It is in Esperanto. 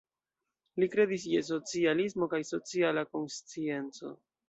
Li kredis je socialismo kaj sociala konscienco.